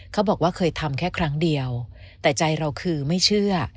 เขาบอกว่าเคยทำแค่ครั้งเดียวแต่ใจเราคือไม่เชื่อ